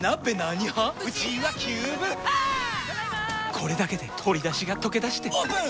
これだけで鶏だしがとけだしてオープン！